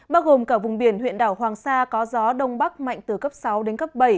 bao gồm cả vùng biển huyện đảo hoàng sa có gió đông bắc mạnh từ cấp sáu đến cấp bảy